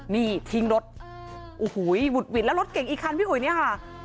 นี่ทิ้งรถโอ้โหหุดหวิดแล้วรถเก่งอีกคันพี่อุ๋ยเนี่ยค่ะ